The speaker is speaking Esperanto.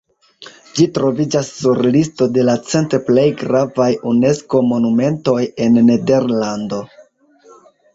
Ĝi troviĝas sur listo de la cent plej gravaj Unesko-monumentoj en Nederlando.